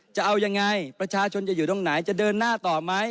จะเอายังไงประชาชนจะอยู่ตรงไหนจะเดินหน้าต่อไหม